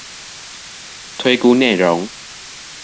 推估內容